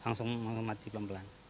oh enggak langsung mati pelan pelan